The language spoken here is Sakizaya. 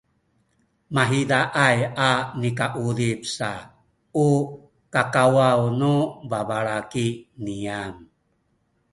mahizaay a nikauzip sa u kakawaw nu babalaki niyam